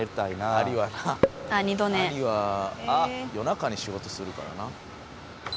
アリは夜中に仕事するからな。